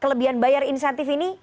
kelebihan bayar insentif ini